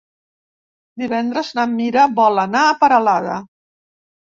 Divendres na Mira vol anar a Peralada.